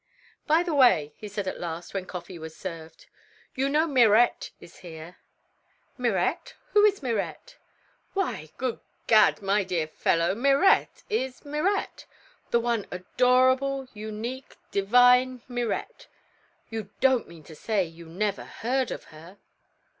"By the way," he said at last when coffee was served, "you know Mirette is here?" "Mirette? Who is Mirette?" "Why, good gad! My dear fellow, Mirette is Mirette; the one adorable, unique, divine Mirette. You don't mean to say you never heard of her!"